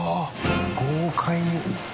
豪快に。